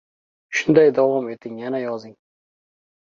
Xorazmning ko‘plab shahar va tumanlari elektr energiyasiz qoldi